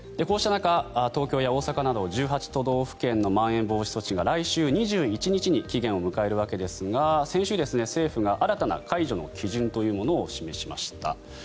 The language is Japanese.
こうした中東京や大阪など１８都道府県のまん延防止措置が来週２１日に期限を迎えるわけですが先週、政府が新たな解除の基準というものを示しました。